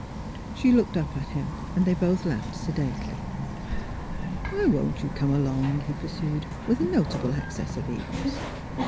2 THE HEAET OF PHILUEA She looked up at him, and they both laughed, sedately. " Why won't you come along? " he pursued, with a notable access of eagerness.